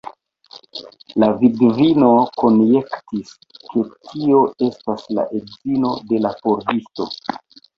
La vidvino konjektis, ke tio estas la edzino de la pordisto.